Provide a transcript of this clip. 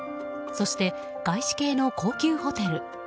そして外資系の高級ホテル。